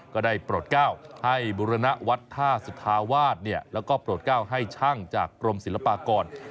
ก็ได้โปรดก้าวให้บุรณวัดท่าสุธาวาสแล้วก็โปรดก้าวให้ช่างจากกรมศิลปากร